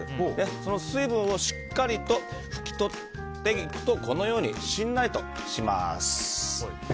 その水分をしっかりと拭き取っていくとこのようにしんなりとします。